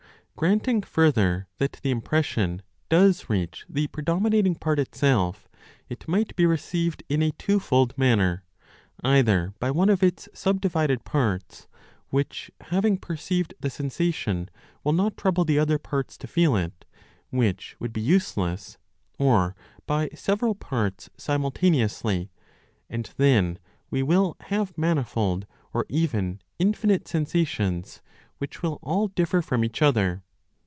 Granting further that the impression does reach the predominating part itself, it might be received in a twofold manner; either by one of its (subdivided) parts, which, having perceived the sensation, will not trouble the other parts to feel it, which would be useless; or, by several parts simultaneously, and then we will have manifold, or even infinite sensations which will all differ from each other.